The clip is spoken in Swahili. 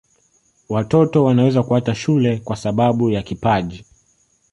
watoto wanaweza kuacha shule kwa sababu ya kipaji